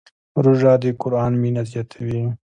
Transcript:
روژه د قرآن مینه زیاتوي.